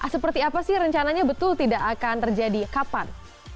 seperti apa sih rencananya betul tidak akan terjadi kapan